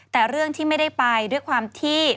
แต่เรื่องที่ไม่ได้ไปด้วยความที่